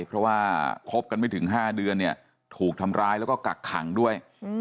เพราะว่าคบกันไม่ถึง๕เดือนเนี่ยถูกทำร้ายแล้วก็กักขังด้วย